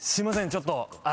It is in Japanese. ちょっと。